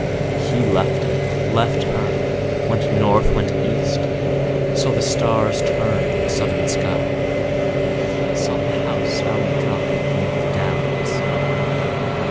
He left it, left her, went North, went East, saw the stars turned in the Southern sky; sought the house, found it dropped beneath the Downs.